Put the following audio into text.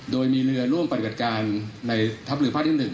โดยมีเรือร่วมปฏิบัติการในทัพเรือภาคที่๑